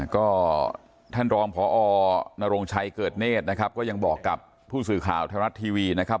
ก็ท่านรองพอนโรงชัยเกิดเนธนะครับก็ยังบอกกับผู้สื่อข่าวไทยรัฐทีวีนะครับ